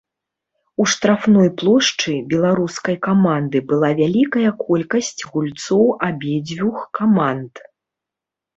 У штрафной плошчы беларускай каманды была вялікая колькасць гульцоў абедзвюх каманд.